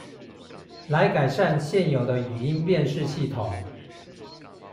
來改善現有的語音辨識系統